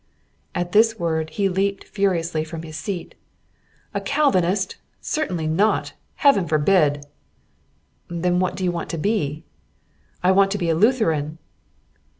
At this word he leaped furiously from his seat. "A Calvinist? Certainly not! Heaven forbid!" "Then what do you want to be?" "I want to be a Lutheran."